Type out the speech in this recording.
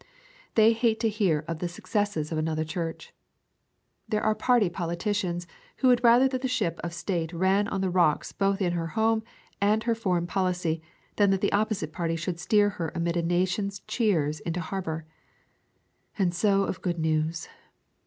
They hate to hear of the successes of another church. There are party politicians who would rather that the ship of the state ran on the rocks both in her home and her foreign policy than that the opposite party should steer her amid a nation's cheers into harbour. And so of good news.